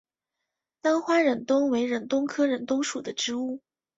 单花忍冬为忍冬科忍冬属的植物。